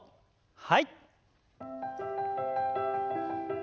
はい。